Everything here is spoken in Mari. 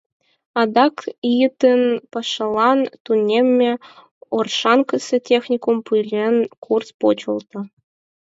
Адак йытын пашалан тунемме Оршанкысе техникум пелен курс почылто.